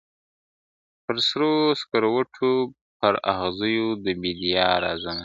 پر سرو سکروټو پر اغزیو د بېدیا راځمه ..